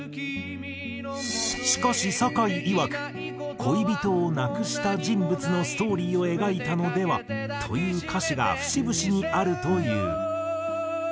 しかしさかいいわく恋人を亡くした人物のストーリーを描いたのでは？という歌詞が節々にあるという。